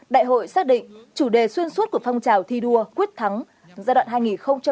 đại hội xác định chủ đề xuyên suốt của phong trào thi đua quyết thắng giai đoạn hai nghìn hai mươi hai nghìn hai mươi năm